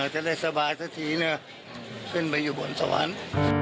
จะได้สบายสักทีนะขึ้นไปอยู่บนสวรรค์